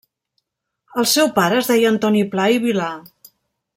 El seu pare es deia Antoni Pla i Vilar.